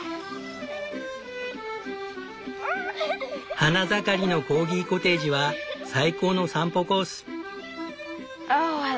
花盛りのコーギコテージは最高の散歩コース。